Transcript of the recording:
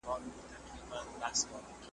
قسم دے چې دلبره د اظهار پۀ ارمـــان مړې شوې